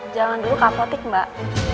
jangan dulu kapotik mbak